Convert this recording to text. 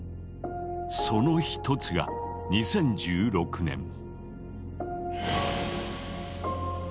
その一つが２０１６年。